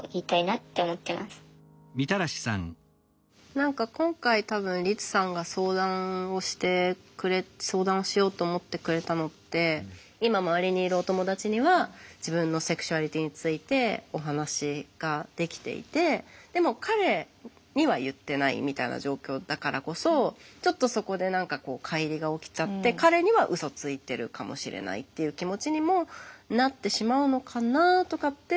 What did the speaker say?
何か今回多分リツさんが相談をしてくれ相談をしようと思ってくれたのって今周りにいるお友達には自分のセクシュアリティーについてお話ができていてでも彼には言ってないみたいな状況だからこそちょっとそこで何かかい離が起きちゃって彼にはうそついてるかもしれないっていう気持ちにもなってしまうのかなとかって